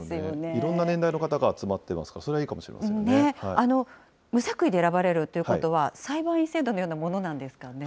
いろんな年代の方が集まってますから、それはいいかもしれな無作為で選ばれるということは、裁判員制度のようなものなんですかね。